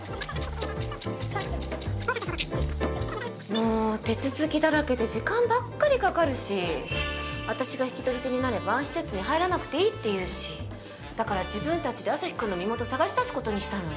もう手続きだらけで時間ばっかりかかるし私が引き取り手になれば施設に入らなくていいっていうしだから自分たちでアサヒくんの身元探し出す事にしたの。